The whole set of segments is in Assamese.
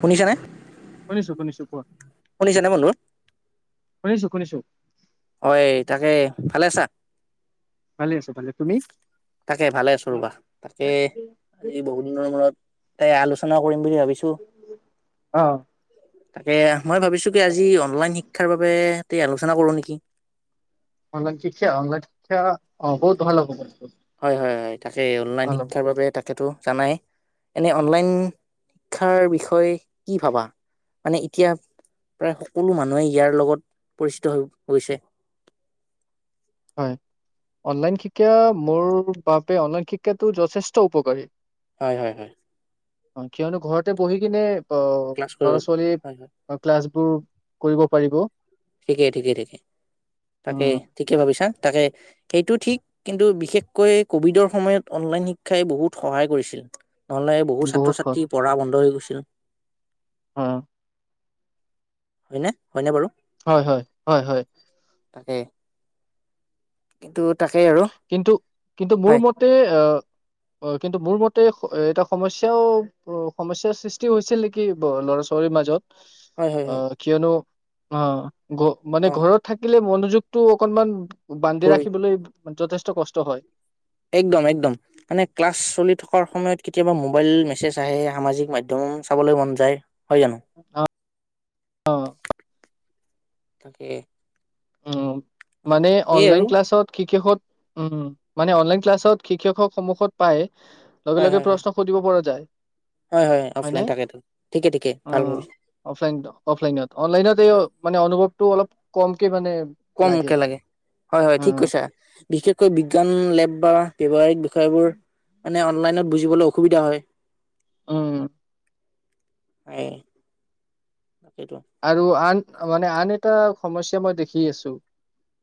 শুনিছানে। শুনিছোঁ শুনিছো কোৱা। শুনিছানে বন্ধু শুনিছোঁ‌ শুনিছোঁ‌। হয় তাকে ভালে আছা? ভালে আছো ভালে তুমি? তাকে ভালে আছ ৰবা, তাকে আজি বহুত দিনৰ মূৰত। তে আলোচনা কৰিম। বুলি ভাবিছো। অ' তাকে মই ভাবিছোঁ কি আজি অনলাইন শিক্ষাৰ বাবে তে আলোচনা কৰো নেকি? অলাইন শিক্ষা অনলাইন শিক্ষা অ' বহুত তোমাৰ লগত হয় হয় হয়। তাকে অনলাইন শিক্ষাৰ বাবে তাক সেইটো জানাই এনে অনলাইন শিক্ষাৰ বিষয়ে কি ভাবা, মানে এতিয়া প্ৰায় সকলো মানুহে ইয়াৰ লগত পৰিচিত হৈ গৈছে। হয় অনলাইন শিক্ষা মোৰ বাবে অনলাইন শিক্ষাটো যথেষ্ট উপকাৰী। হয় হয় হয়। অ' কিয়নো ঘৰতে বহি কিনে। অ' ক্লাছ কৰিব ল'ৰা হয় হয় ছোৱালী ক্লাছবোৰ কৰিব। পাৰিব। ঠিকেই ঠিকেই ঠিকেই তাকে উম, ঠিকে ভাবিছা। তাকে সেইটো ঠিক কিন্তু বিশেষকৈ কভিডৰ সময়ত অনলাইন শিক্ষাই বহুত সহায় কৰিছিল। নহ'লে বহু ছাত্ৰ বহুত খ ছাত্ৰী পঢ়া বন্ধ হৈ গৈছে। [unintelligible] হ। হয়নে হয়নে বাৰু? হয় হয় হয় হয়। তাকে কিন্তু তাকেই আৰু কিন্তু কিন্তু মোৰ হয় মতে আহ কিন্তু মোৰ মতে তেওঁ এটা সমস্যা সমস্যাৰ সৃষ্টি হৈছিল নেকি ল'ৰা ছোৱালীৰ মাজত? হয় হয় অ হয় কিয়নো অ ঘ অ মানে ঘৰত থাকিলে মন যুগটো অকনমান বান্ধি ধৰি ৰাখিবলৈ যথেষ্ট কষ্ট হয়। একদম একদম মানে ক্লাছ চলি থকাৰ সময়ত কেতিয়াবা মোবাইল মেছেজ আহে সামাজিক মাধ্যম চাবলৈ মন যায়। হয় জানো? অ', অ', তাকে অ হয় মানে সেইয়ে অনলাইন আৰু ক্লাছত শিকত উম মানে অনলাইন ক্লাছত শিক্ষকক সন্মুখত পায় লগে হয় লগে হয় হয় প্ৰশ্ন সুধিব পৰা যায়। হয় হয় হয়নে অফলাইন থাকে ঠিকে ঠিকে অ ভাল ভাবিছা অফলাইন-অফলাইনত অনলাইনত এই মানে অনুভৱটো অলপ কম কে মানে কমকে লাগে হয় হয় ঠিক অ', কৈছা বিশেষকৈ বিজ্ঞান লেব বা কব খবোৰ মানে অনলাইনত বুজিবলৈ অসুবিধা হয়। উম। বাকী আৰু আন মানে আন এটা সমস্যা মই দেখি আছো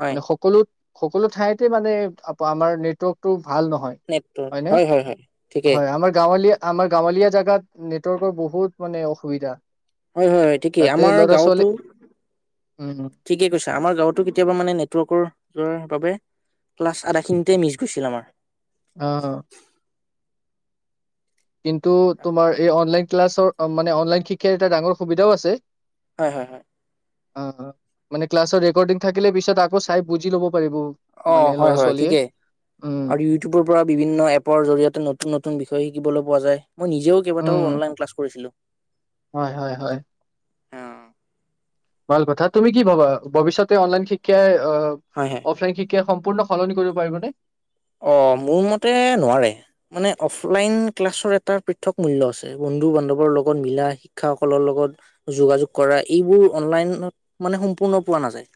হয় মানে সকলোত সকলো ঠাইতে মানে আমাৰ নেটৱৰ্কতটো ভাল নহয় নেটৱৰ্ক হয়নে হয় হয় হয় ঠিকেই হয় আমাৰ গাঁৱলীয়া আমাৰ গাঁৱলীয়া জোগাত নেটৱৰ্কৰ বহুত মানে অসুবিধা হয় হয় হয়। ঠিকেই তাতে আমাৰ ল'ৰা ছোৱালী গাঁৱতো উম ঠিকে কৈছা আমাৰ গাঁৱতো কেতিয়াবা মানে নেটৱৰ্কৰ যোৱাৰ বাবে ক্লাছ আধাখিনিতে মিচ গৈছিল আমাৰ অহ। কিন্তু তোমাৰ এই অনলাইন ক্লাছৰ মানে অনলাইন শিক্ষাৰ এটা ডাঙৰ সুবিধাও আছে হয় হয় হয়। অ মানে ক্লাছৰ ৰেকৰ্ডিং থাকিলে পিছত আকৌ চাই বুজি ল'ব। পাৰিব অ মানে হয় ল'ৰা হয় ছোৱালীয়ে। ঠিকেই উম আৰু ইউটিউবৰ পৰা বিভিন্ন এপৰ জৰিয়তে নতুন নতুন বিষয় শিকিবলৈ পোৱা যায় মই নিজেও কেইবটাও উম অনলাইন কলাছ কৰিছিলো। হয় হয় হয়। ভাল কথা তুমি কি ভবা ভৱিষ্যতে অনলাইন শিক্ষা হয় হয় অফলাইনন শিক্ষ সম্পূৰ্ণ সলনি কৰিব পাৰিবনে? অ মোৰ মতে নোৱ মানে অফল ক্লা মূল্য আছে বন্ধু বান্ধৱৰ লগত মিলা শিক্ষাসকলৰ লগত যোগা এইবোৰ আলাইন পোনে যায়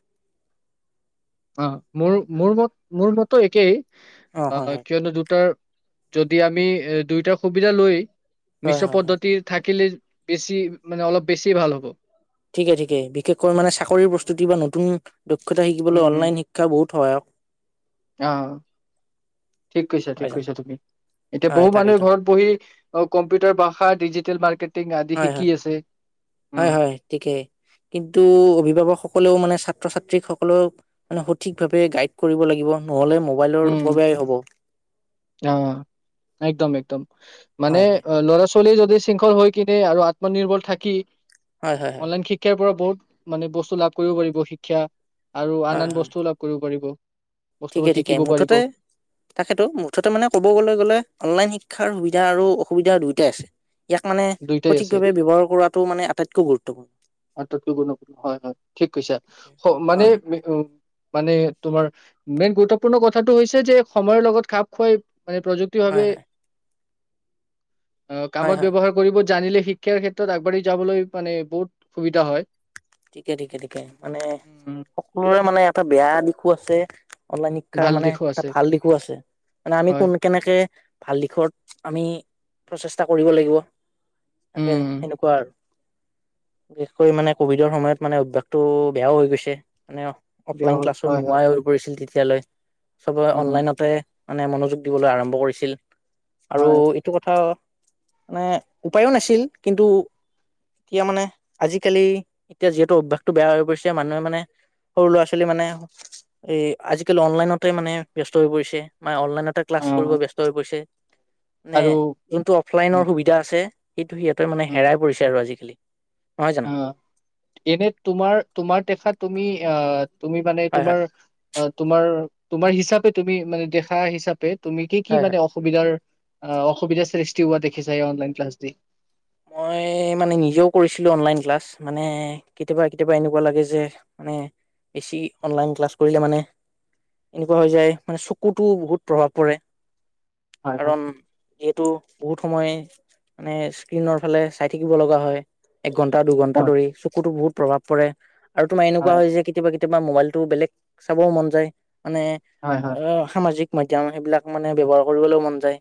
অ মোৰ মোৰ মত মোৰ মতো একেই অ' হয় অহ হয়। কিয়নো দুটাৰ যদি আমি দুইটা সুবিধা লৈ। হয় মিশ্ৰ হয় হয় পদ্ধতি থাকিলে। বেছি মানে অলপ বেছি ভাল হ'ব। ঠিকে ঠিকে বিশেষকৈ মানে চাকৰিৰ প্ৰস্তুতি বা নতুন দক্ষতা শিকিবলৈ উম অনলাইন শিক্ষা বহুত সহায়ক। আহ ঠিক কৈছা হয় ঠিক জানো? কৈছা তুমি এতিয়া হয় বহু মানুহে তাকেতো ঘৰত বহি অ কম্পিউটাভাষা ডিজিটেল মাৰ্কেট হয় হয় হয় হয় ঠিকেই কিন্তু অভিভাৱ কসকলেও মানে ছাত্ৰ ছাত্ৰীসকলেক মানে সঠিক ভাৱে গাইড কৰিব লাগিব। নহ'লে মোবাইলৰ উম, অপবায় হ'ব। অ একদম একদম মানে হয় হয়। ল'ৰা ছোৱাল ৱালীয়ে যদি শৃংখল হৈ কিনে আৰু আত্মনিৰ্ভৰ থাকি হয় হয় হয় অনলাইন শিক্ষাৰ পৰা বহুত মানে বস্তু লাভ কৰিব পাৰিব শিক্ষা, আৰু আন হয় হয়। আন বস্তুও লাভ কৰিব পাৰিব। বস্তুবোৰ ঠিকে ঠিকে শিকিব পাৰিব। মুঠতে তাকেতো মুঠ, মুঠতে মানে ক'বগলে গলে অনলাইন শিক্ষাৰ সুবিধা আৰু অসুবিধা দুয়োটাই আছে। ইয়াক মানে দুইটাই আছে সঠিকভাৱে ব্যৱহাৰ কৰাটো মানে আটাইতকৈ গুৰুত্বপূৰ্ণ। আটতকৈ গুৰুত্ব হয় হয় ঠিক কৈছা মানে হয় উ মানে তোমাৰ মেইন গুৰুত্বপূৰ্ণ কথাটো হৈছে যে সময়ৰ লগত খাপ খুৱাই মানে পজিটিভ হয় ভাৱে হয় অ' হয় কামত হয় ব্যৱহাৰ কৰিব। জানিলে শিক্ষাৰ ক্ষেত্ৰত আগবাঢ়ি যাবলৈ মানে বহুত। সুবিধা হয়। ঠিকে ঠিকে ঠিকে মানে উম সকলোৰে মানে এটা । বেয়া দিশো আছে। অনলাইন শিক্ষাৰ ভাল মানে দিশো এটা আছে ভাল দিশো আছে মানে আমি হয় কোন কেনেকে ভাল দিশত আমি প্ৰচেষ্টা কৰিব লাগিব। তাকে উম সেনেকুৱা আৰু বিশেষকৈ মানে কভিড ডৰ সময়ত মানে অভ্যাসটো বেয়াও হৈ গৈছে। মানে দিয়া অফলাইন হ'ল ক্লাছো হয় হয় নোহোৱাই হৈ পৰিছিল তেতিয়া তিয়ালৈ। চবে উম অনলাইনতে মানে মনোযোগ দিবলৈ আৰম্ভ কৰিছিল। আৰু হয় এইটো কথা। মানে উপায়ো নাছিল কিন্তু এতিয়া মানে আজিকালি এতিয়া যিহেতু অভ্যাসতটো বেয়া হৈ পৰিছে মানুহে মানে সৰু ল'ৰা ছোৱালী মানে এ আজিকালি অনলাইনতে মানে ব্যস্ত হৈ পৰিছে বা অনলাইন। নতে অ ক্লাছ কৰিব ব্যস্ত হৈ পৰিছে। মানে আৰু যোনটো উম অফলাইনৰ সুবিধা আছে। সেইটো সিহঁতে মানে উম হেৰাই পৰিছে আৰু আজিকালি। নহয় জানো? অ এনে তোমাৰ তোমাৰ দেখা তুমি আহ তুমি মানে হয় হয় তোমাৰ তোমাৰ তোমাৰ হিচাপে তুমি মানে দেখা হিচাপে তুমি কি কি হয় হয় মানে অসুবিধাৰ অ' অসুবিধা সৃষ্টি হোৱা দেখিছা অ' অনলাইন ক্লাছ দি মই মানে নিজেও কৰিছিলোঁ অনলাইন ক্লাছ মানে কেতিয়াবা কেতিয়াবা এনেকুৱা লাগে যে মানে বেছি অনলাইন ক্লাছ কৰিলে মানে এনেকুৱা হৈ যায় মানে চকুতো বহুত প্ৰভাৱ পৰে। হয় হয় কাৰণ যিহেতু বহুত সময় মানে স্ক্ৰীনৰ ফালে চাই থাকিব লগা হয়। একঘণ্টা দুঘণ্টা হয় ধৰি চকুতো বহুত প্ৰভাৱ পৰে। আৰু তোমাৰ এনেকুৱা হয় যে কেতিয়াবা কে কেতিয়াবা মোবাইলতটো বেলেগ চাবও মন যায় মানে হয় অ সামাজিক মাধ্যম সেইবিলাক মানে ব্যৱহাৰ কৰিবলেও মন যায়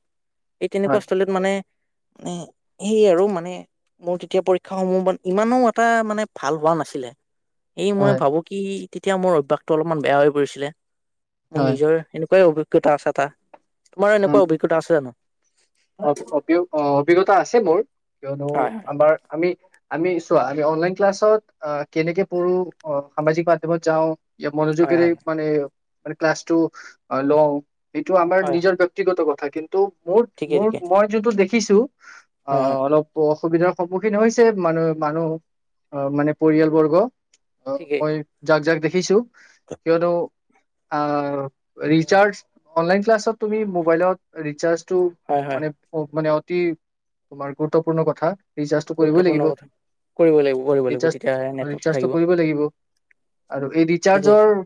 এই হয় তেনেকুৱা হয় স্থলীত মানে [unintelligible] সেই আৰু মানে মোৰ তেতিয়া পৰীক্ষা সমূহ ইমানো এটা মানে ভাল হোৱা নাছিলে। এই মই হয় ভাবো কি তেতিয়া মোৰ অভ্যাসটো অলপমান বেয়া হৈ পৰিছিলে। মোৰ নিজৰ এনেকুৱাই অ ভিজ্ঞতা আছে এটা উ আছে জানো? অ অভি অভিজ্ঞ তা আছে মোৰ কিয়নো হয় আমাৰ আমি আমি চোৱা আমি অনলাইন ক্লাছত কেনেকে পঢ়ো অ সামাজিক মাধ্যমত যাওঁ ই হয় হয় মনোযোগেৰে হয় মানে মানে ক্লাছ টু লওঁ। এইটো আমাৰ হয় হয় নিজৰ ব্যক্ত কথা কিন্তু মোৰ ঠিকেই মোৰ ঠিকেই মই জোনটো দেখ খিছোঁ। অ হয় হয় হয় অলপ অসুবিধা সন্মুখীন হৈছে মানু মানুহ আহ মানে পৰিয়ালবৰ্গ অ ঠিকেই মই যাক যাক দেখি দেখিছোঁ। কিয়নো আ ৰিচাৰ্জ অনলাইন ক্লাছত তুমি মোবাইলত ৰিচাৰ্জটো হয় হয় মানে মানে অতি তোমাৰ গুৰুত্বপূৰ্ণ কথা ৰিচাৰ্জটো কৰিবই গুৰুত্বপূৰ্ণ লাগিব, কথা কৰিব লাগিব কৰিব লাগিব তেতিয়াহে নেটৱৰ্কটো ৰিচাৰ্জটো থাকিব কৰিবই লাগিব আৰু এই ঠিকেই ৰিচাৰ্জৰ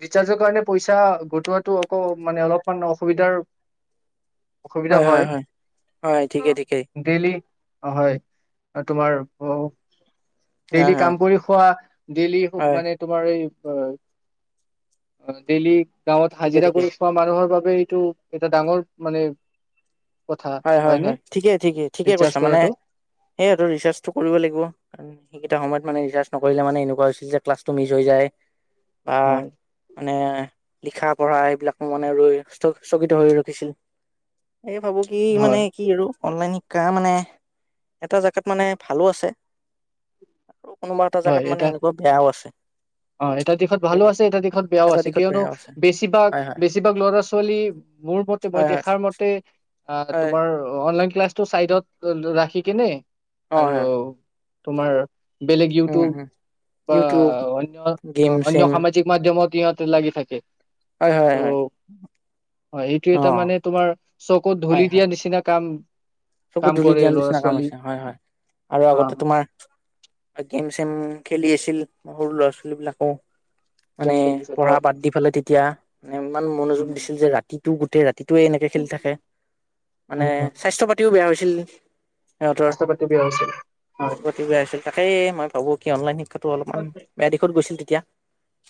ৰিচাৰ্জৰ কাৰণে পইচা গোটোৱাটো অকৌ মানে অলপমান অসুবিধাৰ হয় হয় হয় হয় ঠিকেই ঠিকেই ঠিকেই অ হয় তোমাৰ অ হয় ডেইলি হয় কাম কৰি খোৱা ডেইলি হয় মানে তোমাৰ এই। হয় ডেইলী গাঁৱত ঠিকে হাজিৰা ঠিকে কৰি খোৱা মানুহৰ বাব এইটো এইটো ডাঙৰ মানে কথা হয় হয় হয়নে হয় ঠিকে ঠিকেই ঠিকে ৰিচাৰ্জ কৈছা মানে কৰাটো সেইয়া ৰিচাৰ্চটো কৰিব লাগিব সেই এটা সময়ত মানে ৰিচাৰ্চ নকৰিলে মানে এনেকুৱা হৈছিল যে ক্লাছটো মিছ হৈ যায়। বা হয় মানে লিখা পঢ়া এইবিলাক মনে ৰৈ স স্থগিত হৈ ৰখিছিল এই ভাবো। কি মানে হয় কি আৰু অনলাইন শিকা মানে এটা জেগাত মানে ভালো আছে। আৰু কোনোবা হয় জেগাত মানে এটা এনেকুৱা বেয়াও আছে অ এটা দিশত ভালো আছে এটা দিশত বেয়াও এটা আছে দিশত কিয়নো বেয়াও আছে বেছিভাগ হয় হয় বেছিভাগ ল'ৰা ছোৱালী মোৰ মতে মই হয় হয় দেখাৰ মতে অ হয় তোমাৰ অ অনলাইন ক্লাছটো চাইডত ৰাখি কেনে অ আৰু হয় তোমাৰ বেলেগ টো উম উম বা ইউটিউব অন্য গেম অন্য চেম সামাজিক মাধ্যমত। সিহঁতে লাগি থাকে। হয় হয় ত' হয় হয় এইটো অ এটা মানে তোমাৰ চকুত হয় ধূলি হয় দিয়া নিচিনা কাম। চকু কাম ধুলি কৰে দিয়াৰ ল'ৰা নিচিনা কাম ছোৱালী হৈছে হয় হয় আৰু আগতে আহ তোমাৰ গেমছ খেলি আছিল সৰু ল'ৰা ছোৱালী বিলাকক গেম মানে খেলিছে পঢ়া হয় বাত দি পেলে তেতিয়া ইমান মনোযোগ উম দিছিল যে ৰাতিটো গোট গোটেই ৰাত- টোৱে এনেকে খেলি থাকে মানে উম উম স্বাস্থ্যৰ পাতি এইটো বেয়া হৈছিল নি ৰাস্তা পাতি বিয়া হৈছে হয়। তাকে মই ভাবো কি অনলাইন শি- তাকে অলপমান বেয়া দিশত গৈছিল তেতিয়া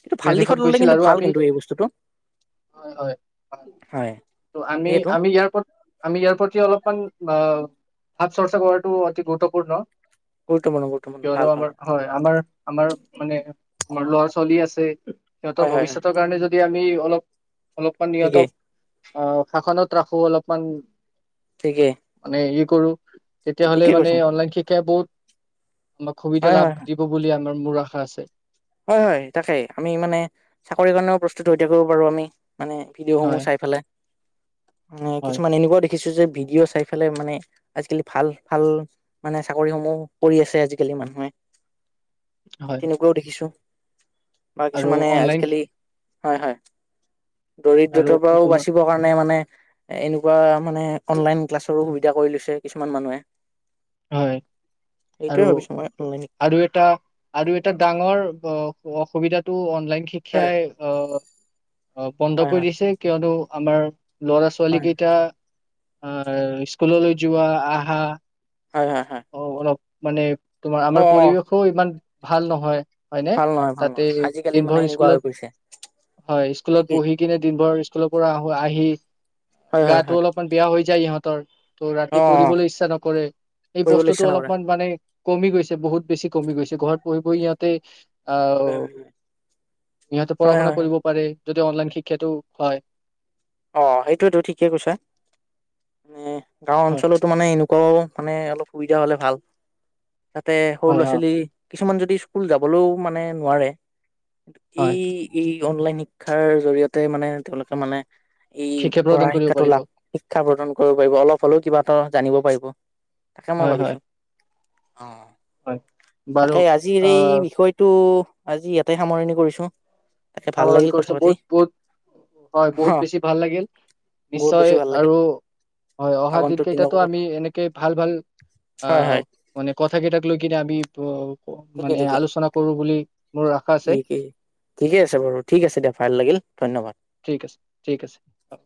কিন্তু ভাল বিদেশত দিশত ল'লে গৈছিল কিন্তু আৰু ভাল আমি কিন্তু এই বস্তুটো হয় হয় হয় ত আমি এইটো আমি ইয়াৰ আমি ইয়াৰ প্ৰতি অলপ ভাত চৰ্চা কৰাটো অতি গুৰুত্বপূৰ্ণ গুৰুত্বপূৰ্ণ গুৰুত্বপূৰ্ণ ভাল কিয়নো ভাল আমাৰ হয় আমাৰ আমাৰ মানে আমাৰ ল'ৰা ছোৱালী আছে। [inaudible] সিহঁতৰ হয় হয় হয় ভৱিষ্যতৰ কাৰণে যদি আমি অলপ অলপ মান ইয়াত ঠিকেই অ শাসনত ৰাখোঁ অলপমান ঠিকেই মানে এই কৰোঁ। তেতিয়াহ'লে ঠিকেই মানে কৈছা অনলাইন শিক্ষা বহুত আমাক সুবিধা হয় লাভ হয় দিব বুলি আমাৰ মোৰ আশা আছে হয় হয় তাকেই আমি মানে চাকৰি কাৰণেও প্ৰস্তুত হৈ থাকিব পাৰোঁ আমি। মানে ভিডিঅ' হয় সমূহ চাই পেলাই। মে হয় কিছুমান এনেকোৱা দে দেখিছো যে ভিডিঅ' চাই পেলাই মানে আজিকালি ভাল ভাল মানে চাকৰিসমূহ কৰি আছে আজিকালি মানুহে। হয় তেনেকুৱাও দেখিছোঁ। বা আৰু কিছুমানে অনলাইন আজিকালি। হয় হয়। আৰু দৰিদ্ৰতাৰ পৰাও তোমাৰ বাচিবৰ কাৰণে মানে। এ এনেকুৱা মানে অনলাইন ক্লাছৰো সুবিধা কৰি লৈছে কিছুমান মানুহে। হয়, সেইটোৱে আৰু ভাবিছো মই অনলাইন শিক্ষা। আৰু এটা আৰু এটা ডাঙৰ। অসুবিধাতটো অন লাইং হয় শিক্ষাই অ অ বন্ধ হয় কৰি হয় দিছে কিয়নো। আমাৰ। ল'ৰা ছোৱালী হয় কেইটা। অ স্কুললৈ যোৱা আহা- হয় হয় হয় অ, অলপ মানে। তোমাৰ অ আমাৰ অ পৰিৱেশো ইমান। ভাল নহয়। হয়নে ভাল নহয় ভাল তাতে নহয় আজিকালি মানে দিনভৰ সেনেকুৱা হৈ পৰিছে স্কুলত হয় স্কুলত ঠিকেই পঢ়ি কিনে দিনভৰ স্কুলৰ পৰা আহোঁ আহি। হয় হয় গাটো হয় অলপমান বেয়া হৈ যায় ইহঁত তৰ ত' ৰাতি অ অ পৰি়বলৈ ইচ্ছা নকৰে। এই পঢ়িবলৈ বস্তুতটো ইচ্ছা নকৰে অলপমান মানে কমি গৈছে। বহুত বেছি কমি গৈছে ঘৰত বহি বহি ইয়াতে হয় হয় আহ সিহঁতে পঢ়া হয় শুনা হয় হয় কৰিব পাৰে। যদি অনলাইন শিক্ষাটো হয়। অ' সেইটোয়েতো ঠিকে কৈছা মানে। গাঁও হয় অঞ্চলতো মানে এনেকুৱাও মানে অলপ । সুবিধা হ'লে ভাল। তাতে সৰু হয় ল'ৰা অ ছোৱালী কিছুমান যদি যদি স্কুল যাবলৈও মানে নোৱাৰে। সি হয় সি এই অনলাইন শিক্ষাৰ জৰিয়তে মানে তেওঁলোকে মানে ই শিক্ষা পঢ়া প্ৰদান কৰিব শিক্ষাটো পাৰিব লাভ শিক্ষা প্ৰদান কৰিব পাৰিব অলপ হলেও কিবা এটা জানিব পাৰিব। তাকে মই হয় হয় ভাবিছো অ' হয় বাৰু তাকে আজিৰ এই আহ বিষয়টো। আজি ইয়াতে সামৰণি কৰিছো। তাকে ভাল সমাধান লাগিল কথা কৰিছো পাতি। বহুত বহুত হয়। অ বহুত বেছি ভাল লাগিল বহুত নিশ্চয় বেছি ভাল লাগিল আৰু হয় অহা দিন আগন্তুক দিনকো কেইটাতো আমি এনেকে ভাল ভাল হয় আহ হয় মানে কথা কেইটাক লৈ কিনে আমি ত ঠিকে মানে ঠিকে আলোচনা কৰো বুলি মোৰ আশা আছে ঠিকেই ঠিকে বাৰু ঠিক আছে দিয়ক ভাল লাগিল। ধন্যবাদ। ঠিক আছে, ঠিক আছে হ'ব।